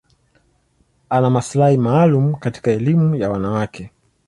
Ana maslahi maalum katika elimu ya wanawake.